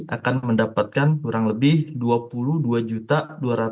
akan mendapatkan kurang lebih dua puluh dua dua ratus dua puluh dua rupiah